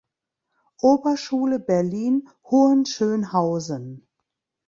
Oberschule Berlin-Hohenschönhausen.